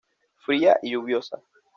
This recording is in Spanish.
Fría y lluviosa.